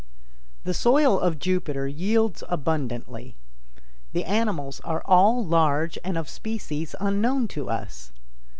The soil of Jupiter yields abundantly. The animals are all large and of species unknown to us.